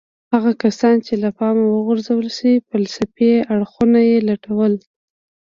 هغه کسان يې له پامه وغورځول چې فلسفي اړخونه يې لټول.